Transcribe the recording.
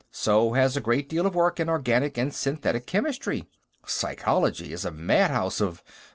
So has a great deal of work in organic and synthetic chemistry. Psychology is a madhouse of